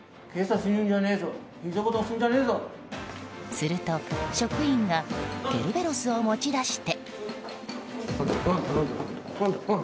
すると、職員がケルベロスを持ち出して。